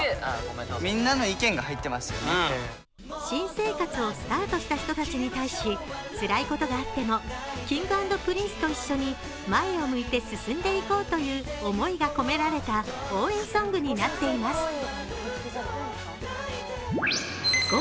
新生活をスタートした人たちに対しつらいことがあってもＫｉｎｇ＆Ｐｒｉｎｃｅと一緒に前を向いて進んでいこうという思いが込められた応援ソングになっています。